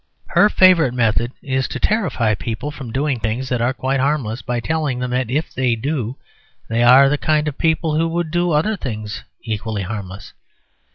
Her favourite method is to terrify people from doing things that are quite harmless by telling them that if they do they are the kind of people who would do other things, equally harmless.